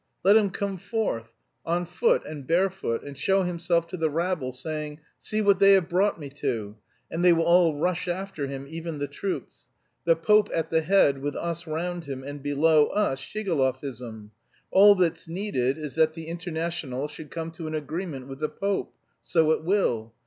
Let him come forth, on foot, and barefoot, and show himself to the rabble, saying, 'See what they have brought me to!' and they will all rush after him, even the troops. The Pope at the head, with us round him, and below us Shigalovism. All that's needed is that the Internationale should come to an agreement with the Pope; so it will.